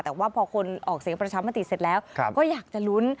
แต่ว่าพอคนออกเสียงประชามติเสร็จแล้วก็อยากจะลุ้น